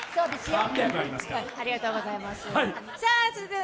ありがとうございます。